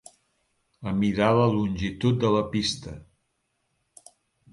Amidar la longitud de la pista.